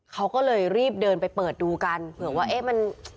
เขาก็เลยรีบเดินไปเปิดดูกันเผื่อว่าเอ๊ะมัน